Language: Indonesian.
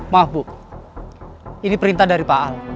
maaf bu ini perintah dari pak al